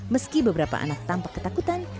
meski beberapa anak tampak ketakutan